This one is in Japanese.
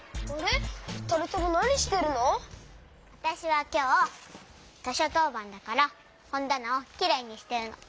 わたしはきょうとしょとうばんだからほんだなをきれいにしてるの。